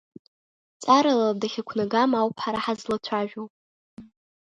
Ҵарала дахьақәнагам ауп ҳара ҳазлацәажәо.